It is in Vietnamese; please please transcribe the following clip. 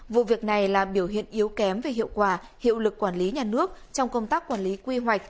vụ việc này là biểu hiện yếu kém về hiệu quả hiệu lực quản lý nhà nước trong công tác quản lý quy hoạch